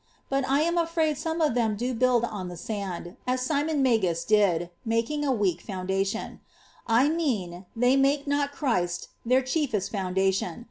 But I am afiratd some of them do build on the sand, as Simon Magus did, making a weak fimndation : I mean they make not Christ their chii^fest foundation.